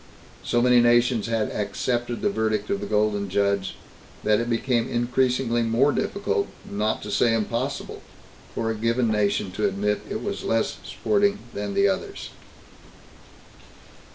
So many nations had accepted the verdict of the Golden Judge, that it became increasingly more difficult, not to say impossible, for a given nation to admit it was less sporting than the others.